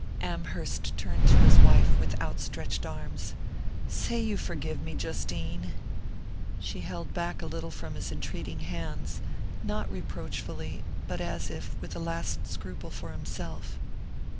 Amherst turned to his wife with outstretched arms. "Say you forgive me, Justine!" She held back a little from his entreating hands, not reproachfully, but as if with a last scruple for himself.